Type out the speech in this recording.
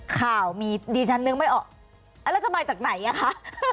ข่าวมีดิฉันนึกไม่ออกแล้วจะมาจากไหนอ่ะคะ